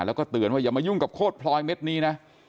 แล้วก็เตือนว่าอย่ามายุ่งกับโคตรพลอยเม็ดนี้นะ